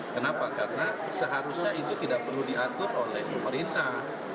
kenapa karena seharusnya itu tidak perlu diatur oleh pemerintah